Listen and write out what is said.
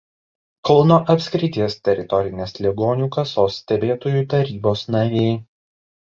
Kauno apskrities Teritorinės ligonių kasos stebėtojų tarybos narė.